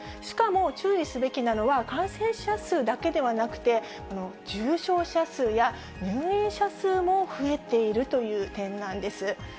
しかも注意すべきなのは、感染者数だけではなくて、重症者数や入院者数も増えているという点なんです。